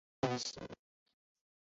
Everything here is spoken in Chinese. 阿尔蒂。